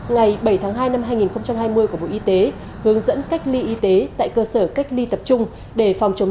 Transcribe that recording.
ngày bảy tháng hai năm hai nghìn hai mươi của bộ y tế hướng dẫn cách ly y tế tại cơ sở cách ly tập trung để phòng chống